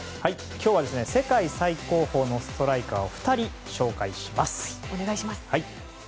今日は世界最高峰のストライカーを２人紹介します。